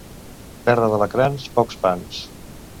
Terra d'alacrans, pocs pans.